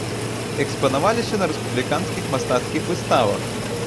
Экспанаваліся на рэспубліканскіх мастацкіх выставах.